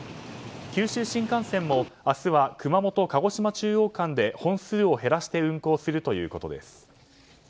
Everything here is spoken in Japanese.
九州新幹線も明日は熊本鹿児島中央間で本数を減らして運行するということです。